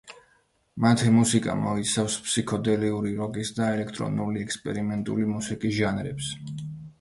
მათი მუსიკა მოიცავს ფსიქოდელიური როკის და ელექტრონული ექსპერიმენტული მუსიკის ჟანრებს.